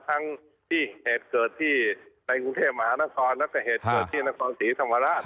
ทั้งที่เหตุเกิดที่ในกรุงเทพมหานครแล้วก็เหตุเกิดที่นครศรีธรรมราช